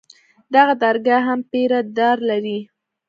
دغه درګاه هم پيره دار لري.